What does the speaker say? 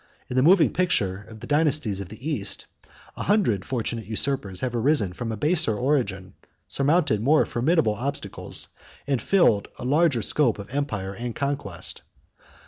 In the moving picture of the dynasties of the East, a hundred fortunate usurpers have arisen from a baser origin, surmounted more formidable obstacles, and filled a larger scope of empire and conquest.